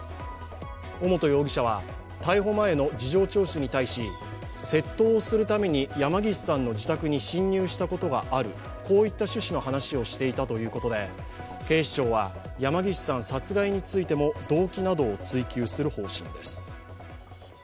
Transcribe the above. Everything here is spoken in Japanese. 尾本容疑者は逮捕前の事情聴取に対し窃盗をするために山岸さんの自宅に侵入したことがある、こういった趣旨の話をしていたということで、警視庁は山岸さん殺害についても動機などを追及する方針です。